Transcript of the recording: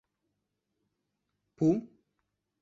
Πού;